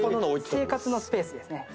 生活のスペースですね。